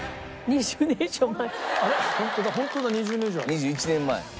２１年前。